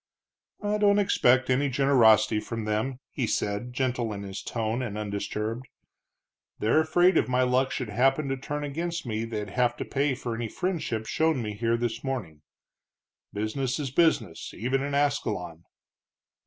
"I don't expect any generosity from them," he said, gentle in his tone and undisturbed. "They're afraid if my luck should happen to turn against me they'd have to pay for any friendship shown me here this morning. Business is business, even in Ascalon."